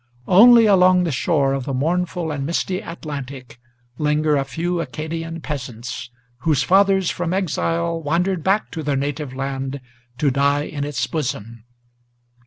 Only along the shore of the mournful and misty Atlantic Linger a few Acadian peasants, whose fathers from exile Wandered back to their native land to die in its bosom.